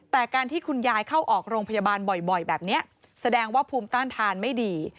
แต่การที่คุณยายเข้าออกโรงพยาบาลบ่อยแบบนี้แสดงว่าภูมิต้านทานไม่ดี